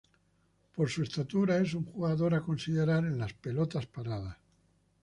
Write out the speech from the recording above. Por su estatura es un jugador a considerar en las pelotas paradas.